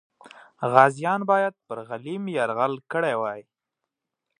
غازیان باید پر غلیم یرغل کړی وای.